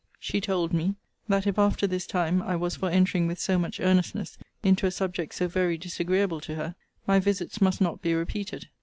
She told me, that if after this time I was for entering with so much earnestness into a subject so very disagreeable to her, my visits must not be repeated.